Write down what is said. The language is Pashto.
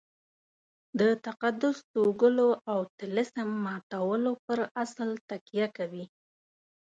د تقدس توږلو او طلسم ماتولو پر اصل تکیه کوي.